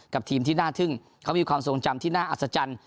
ทีมที่น่าทึ่งเขามีความทรงจำที่น่าอัศจรรย์